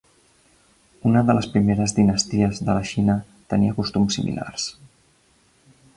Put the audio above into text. Una de les primeres dinasties de la Xina tenia costums similars.